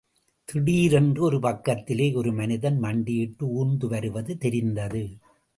திடீரென்று ஒரு பக்கத்திலே ஒரு மனிதன், மண்டியிட்டு ஊர்ந்து வருவது தெரிந்தது.